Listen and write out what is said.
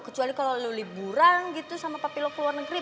kecuali kalau lo liburang gitu sama papi lo keluar negeri